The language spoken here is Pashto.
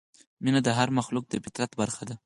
مینه د هر مخلوق د فطرت برخه ده.